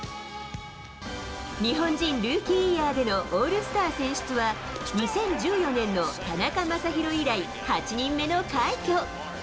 日本人ルーキーイヤーでのオールスター選出は、２０１４年の田中将大以来、８人目の快挙。